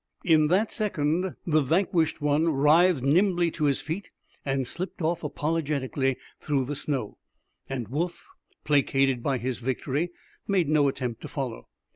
In that second the vanquished one writhed nimbly to his feet and slipped off apologetically through the snow. And Woof, placated by his victory, made no attempt to follow.